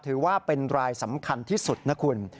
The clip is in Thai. ถือว่าเป็นรายสำคัญที่สุดนะคุณ